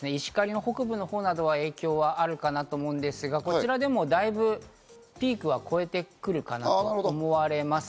北の方ですね、石狩の北部などは影響があるかなと思うんですが、こちらでもだいぶピークは越えてくるかなと思われます。